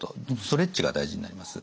ストレッチが大事になります。